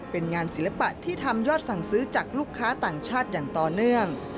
เป็นงานศิลปะที่ทำยอดสั่งซื้อจากลูกค้าต่างชาติอย่างต่อเนื่อง